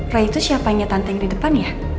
roy itu siapanya tante yang di depan ya